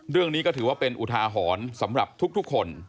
เรื่องนี้ก็ถือว่าเป็นอุทาหรณ์สำหรับทุกคน